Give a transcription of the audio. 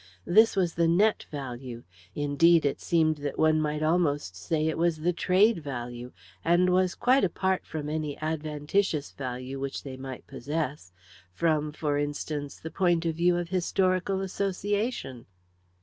This was the net value indeed, it seemed that one might almost say it was the trade value, and was quite apart from any adventitious value which they might possess, from, for instance, the point of view of historical association.